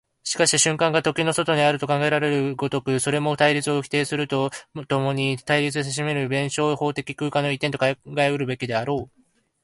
しかし瞬間が時の外にあると考えられる如く、それも対立を否定すると共に対立せしめる弁証法的空間の一点と考うべきであろう。